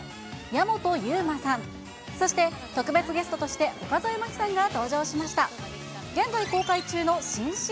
矢本悠馬さん、そして、特別ゲストとして岡副真希さんが登場しました。